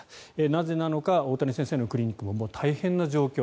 なぜなのか大谷先生のクリニックも大変な状況